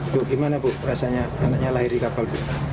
duh gimana bu rasanya anaknya lahir di kapal